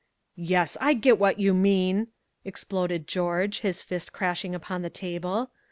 "Yes, I get what you mean!" exploded George, his fist crashing upon the table.